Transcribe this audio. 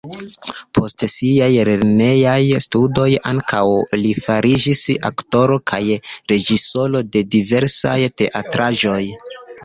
Post siaj lernejaj studoj ankaŭ li fariĝis aktoro kaj reĝisoro de diversaj teatraĵoj.